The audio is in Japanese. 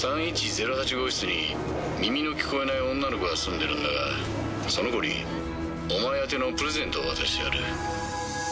３１０８号室に耳の聞こえない女の子が住んでいるんだが、その子にお前宛てのプレゼントを渡してやる。